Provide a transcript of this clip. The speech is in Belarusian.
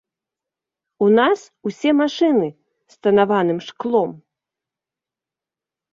У нас усе машыны з танаваным шклом.